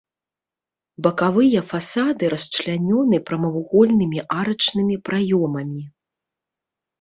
Бакавыя фасады расчлянёны прамавугольнымі арачнымі праёмамі.